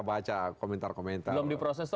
baca komentar komentar belum diproses itu